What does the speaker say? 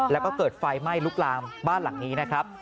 แล้วก็เกิดไฟไหม้ลุกลามบ้านหลังนี้นะครับ